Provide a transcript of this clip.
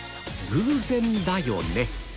偶然だよね？